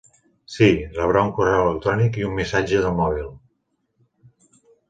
Sí, rebrà un correu electrònic i un missatge de mòbil.